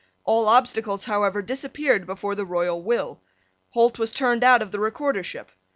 All obstacles, however, disappeared before the royal will. Holt was turned out of the recordership.